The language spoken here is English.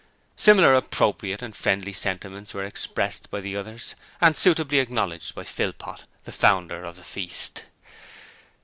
Similar appropriate and friendly sentiments were expressed by the others and suitably acknowledged by Philpot, the founder of the feast.